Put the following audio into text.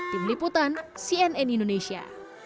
tim liputan cnn indonesia